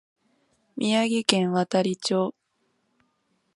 宮城県亘理町